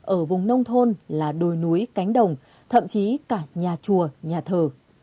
ở vùng nông thôn là đồi núi cánh đồng thậm chí cả nhà chùa nhà thờ